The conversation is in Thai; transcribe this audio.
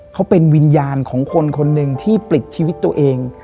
เขาเป็นวิญญาณของคนคนหนึ่งที่ปลิดชีวิตตัวเอง